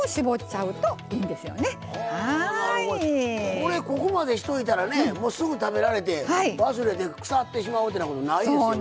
これここまでしといたらねもうすぐ食べられて忘れて腐ってしまうってなことないですよね。